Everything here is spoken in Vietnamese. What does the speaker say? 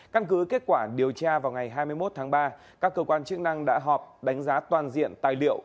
căn cứ kết quả điều tra vào ngày hai mươi một tháng ba các cơ quan chức năng đã họp đánh giá toàn diện tài liệu